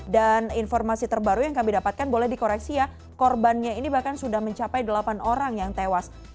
dan informasi terbaru yang kami dapatkan boleh dikoreksi ya korbannya ini bahkan sudah mencapai delapan orang yang tewas